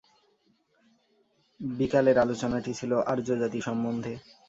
বিকালের আলোচনাটি ছিল আর্যজাতি সম্বন্ধে।